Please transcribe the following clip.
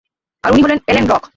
আর উনি হলেন Ellen block.